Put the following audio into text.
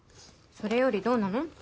それよりどうなの？